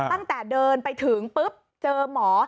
ตั้งแต่เดินไปถึงปุ๊บเจอหมอ